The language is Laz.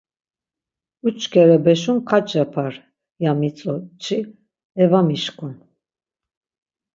Uç kere beşun kaç yapar, ya mitzu çi; e va mişǩun.